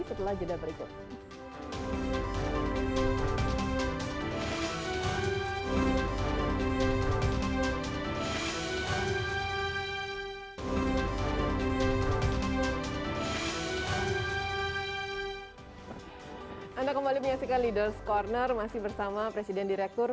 setelah jeda berikut